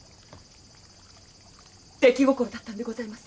出来心だったんでございます。